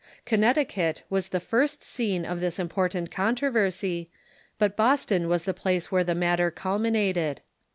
Connecticut was the first scene of this important controversy, but Boston was the place where the matter culminated.